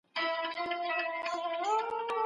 دوی سیاستپوهنې ته د ښار د چارو اړونده پوهه ویله.